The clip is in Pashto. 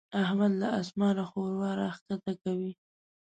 احمد له اسمانه ښوروا راکښته کوي.